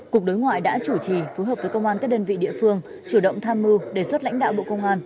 cục đối ngoại đã chủ trì phối hợp với công an các đơn vị địa phương chủ động tham mưu đề xuất lãnh đạo bộ công an